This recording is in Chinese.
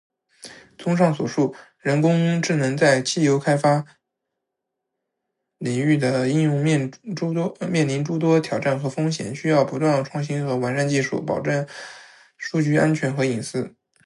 综上所述，人工智能在油气开发领域的应用面临诸多挑战和风险，需要不断创新和完善技术，保障数据安全和隐私，同时遵守法规政策，才能更好地推动油气开发行业的发展。